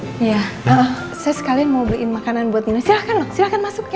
iya saya sekalian mau beliin makanan buat minum silahkan loh silahkan masuk ya